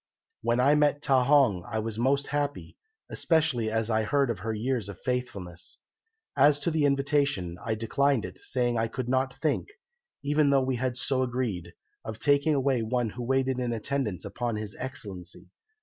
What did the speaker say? "When I met Ta hong I was most happy, especially as I heard of her years of faithfulness. As to the invitation I declined it, saying I could not think, even though we had so agreed, of taking away one who waited in attendance upon His Excellency.